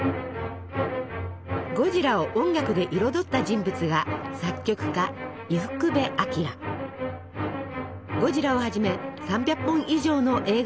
ゴジラを音楽で彩った人物がゴジラをはじめ３００本以上の映画音楽を制作。